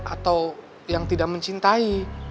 atau yang tidak mencintai